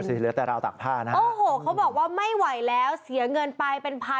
เหลือแต่ราวตากผ้านะคะ